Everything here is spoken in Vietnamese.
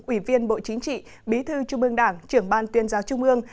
ủy viên bộ chính trị bí thư trung ương đảng trưởng ban tuyên giáo trung ương